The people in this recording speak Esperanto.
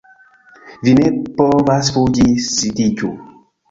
Vi ne povas fuĝi, sidiĝu